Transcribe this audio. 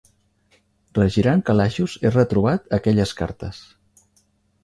Regirant calaixos he retrobat aquelles cartes.